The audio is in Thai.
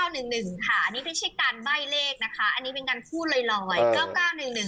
อันนี้ไม่ใช่การไบ่เลขเป็นการว่าเล่นละว่าย๙๙๑๑